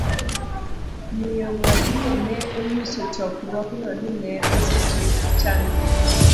Miyo Mwadime ne onyiso chokruogno ni ne osetiek chandruok